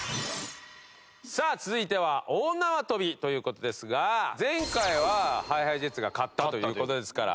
さあ続いては大縄跳びという事ですが前回はＨｉＨｉＪｅｔｓが勝ったという事ですから。